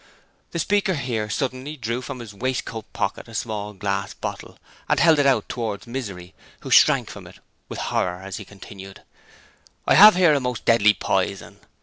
The speaker here suddenly drew from his waistcoat pocket a small glass bottle and held it out towards Misery, who shrank from it with horror as he continued: 'I have here a most deadly poison.